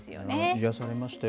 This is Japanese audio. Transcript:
癒やされましたよ